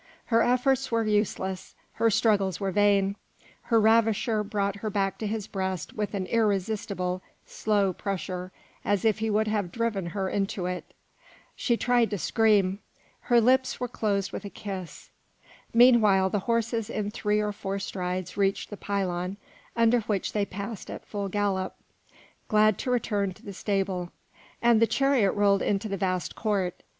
Her efforts were useless, her struggles were vain. Her ravisher brought her back to his breast with an irresistible, slow pressure, as if he would have driven her into it. She tried to scream; her lips were closed with a kiss. Meanwhile the horses in three or four strides reached the pylon, under which they passed at full gallop, glad to return to the stable, and the chariot rolled into the vast court.